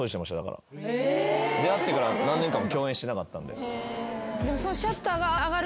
出会ってから何年間も共演してなかったんで。